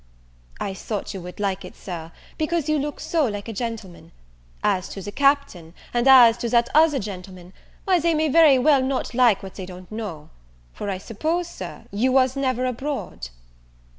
"I thought you would like it, Sir, because you look so like a gentleman. As to the Captain, and as to that other gentleman, why they may very well not like what they don't know: for I suppose, Sir, you was never abroad?"